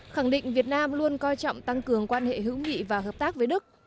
khẳng định việt nam luôn coi trọng tăng cường quan hệ hữu nghị và hợp tác với đức